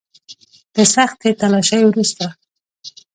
د سختې تلاشۍ وروسته.